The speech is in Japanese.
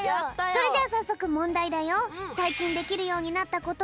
それじゃあさっそくもんだいだよ。